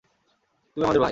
তুমি আমাদের ভাই।